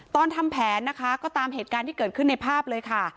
ทำแผนนะคะก็ตามเหตุการณ์ที่เกิดขึ้นในภาพเลยค่ะ